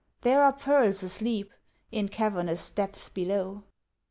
There are pearls asleep In cavernous depths below.